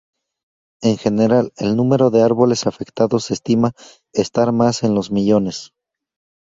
En general, el número de árboles afectados se estima estar en los millones.